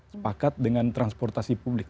sepakat dengan transportasi publik